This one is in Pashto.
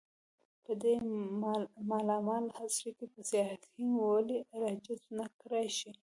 په دې مالامال عصر کې به سیاحین ولې راجذب نه کړای شي.